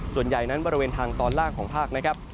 ส่วนใหญ่นั้นบริเวณทางตอนล่างของภาคนะครับ